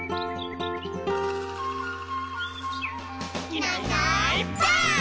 「いないいないばあっ！」